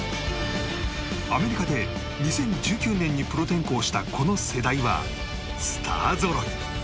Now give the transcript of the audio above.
アメリカで２０１９年にプロ転向したこの世代はスターぞろい。